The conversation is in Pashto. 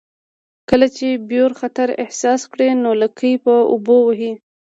کله چې بیور خطر احساس کړي نو لکۍ په اوبو وهي